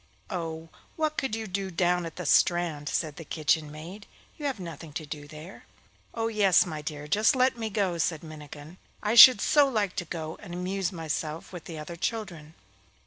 'Oh, what could you do down at the strand?' said the kitchen maid. 'You have nothing to do there.' 'Oh yes, my dear, just let me go,' said Minnikin. 'I should so like to go and amuse myself with the other children.